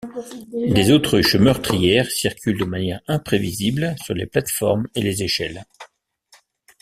Des autruches meurtrières circulent de manière imprévisible sur les plates-formes et les échelles.